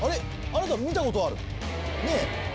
あなた見たことあるねぇ？